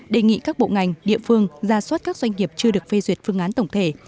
đề nghị các bộ ngành địa phương ra soát các doanh nghiệp chưa được phê duyệt phương án tổng thể